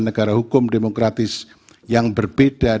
negara hukum demokratis yang berbeda dengan negara hukum demokratis yang kita anut